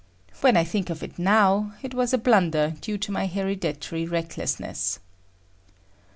When I think of it now, it was a blunder due to my hereditary recklessness.